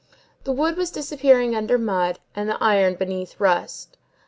The wood was disappearing under mud, and the iron beneath rust.